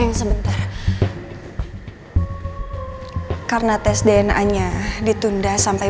yang sebentar karena tes dna nya ditunda sampai